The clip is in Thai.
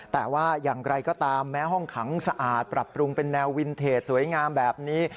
แต่ว่าอย่างไรก็ตามแม้ห้องขังสะอาดปรับปรุงเป็นแนววินเทจสวยงามแบบนี้